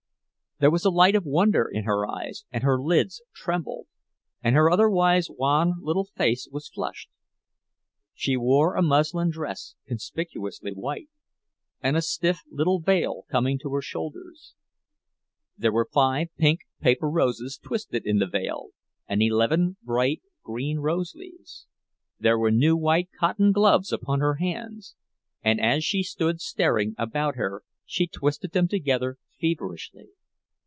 There was a light of wonder in her eyes and her lids trembled, and her otherwise wan little face was flushed. She wore a muslin dress, conspicuously white, and a stiff little veil coming to her shoulders. There were five pink paper roses twisted in the veil, and eleven bright green rose leaves. There were new white cotton gloves upon her hands, and as she stood staring about her she twisted them together feverishly.